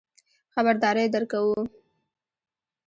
خبرداری درکوو.